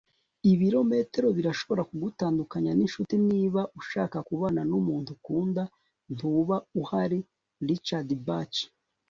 ibirometero birashobora kugutandukanya n'inshuti niba ushaka kubana n'umuntu ukunda, ntuba uhari? - richard bach